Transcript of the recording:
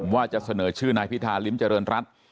ว่าจะเสนอชื่อนายพิธาริมเจริญรัฐ